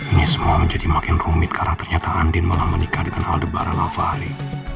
ini semua menjadi makin rumit karena ternyata andin malah menikah dengan aldebaran alvari